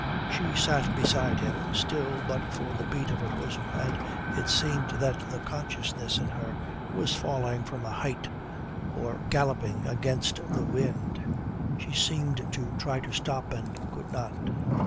She sat beside him, still but for the beat of her bosom, and it seemed that the consciousness in her was falling from a height or galloping against the wind. She seemed to try to stop and could not.